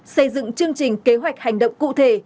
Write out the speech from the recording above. xây dựng chương trình kế hoạch hành động cụ thể